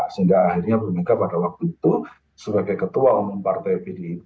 sehingga akhirnya bumika pada waktu itu sebagai ketua umum partai pdip